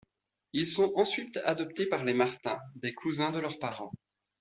Ils sont ensuite adoptés par les Martins, des cousins de leurs parents.